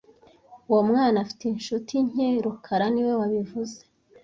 Uwo mwana afite inshuti nke rukara niwe wabivuze